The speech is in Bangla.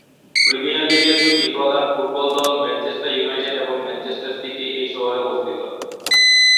প্রিমিয়ার লীগের দুটি প্রধান ফুটবল দল ম্যানচেস্টার ইউনাইটেড এবং ম্যানচেস্টার সিটি এই শহরে অবস্থিত।